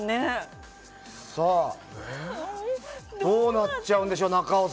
どうなっちゃうんでしょう